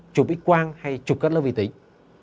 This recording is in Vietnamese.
chụp ít quang hay chụp cất lớp vị tính